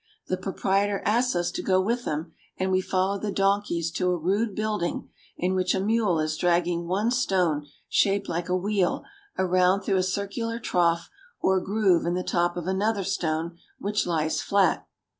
The pro prietor asks us to go with him, and we follow the donkeys to a rude building in which a mule is dragging one stone, shaped like a wheel, around through a circular trough or groove in the top of another stone which lies flat.